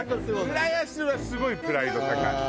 浦安はすごいプライド高い。